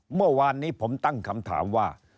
เมื่อวานนี้ผมตั้งคำถามว่า